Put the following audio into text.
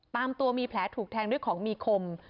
ตามตัวมีแผลถูกแทงด้วยของมีคม